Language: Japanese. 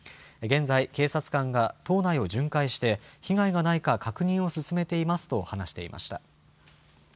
現在、警察官が島内を巡回して、被害がないか確認を進めていますと話していました。